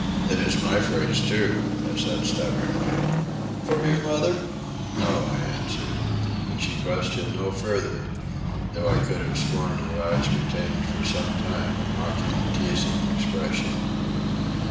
"It is my phrase too," I said stubbornly. "For your mother?" "No," I answered, and she questioned no further, though I could have sworn her eyes retained for some time a mocking, teasing expression.